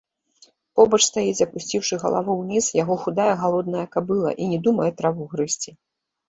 Побач стаіць, апусціўшы галаву ўніз, яго худая галодная кабыла і не думае траву грызці.